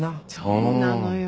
そうなのよ。